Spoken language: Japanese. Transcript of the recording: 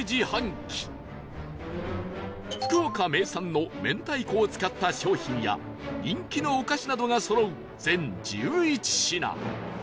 福岡名産の明太子を使った商品や人気のお菓子などがそろう全１１品